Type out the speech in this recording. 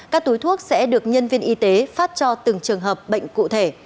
các túi thuốc sẽ được nhân viên y tế phát cho từng trường hợp bệnh cụ thể